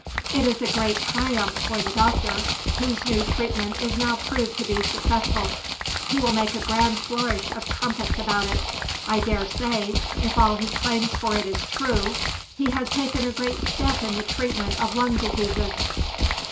It is a great triumph for the doctor, whose new treatment is now proved to be successful. He will make a grand flourish of trumpets about it. I dare say, if all he claims for it is true, he has taken a great step in the treatment of lung diseases."